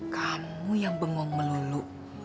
kamu yang bengong melulu